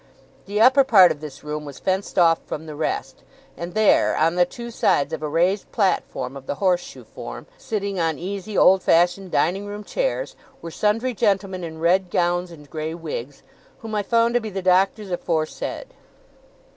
The upper part of this room was fenced off from the rest; and there, on the two sides of a raised platform of the horse shoe form, sitting on easy old fashioned dining room chairs, were sundry gentlemen in red gowns and grey wigs, whom I found to be the Doctors aforesaid.